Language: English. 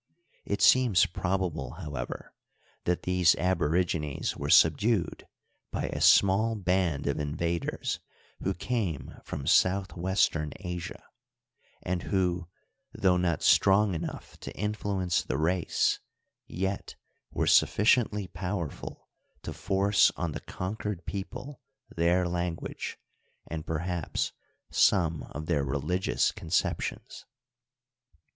It seems prob able, however, that these aborigines were subdued by a small band of invaders who came from southwestern Asia, and who, though not strong enough to influence the race, yet were sufficiently powerful to force on the con quered people their language, and perhaps some of their religious conceptions.